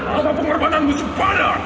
apa pengorbanan musuh pada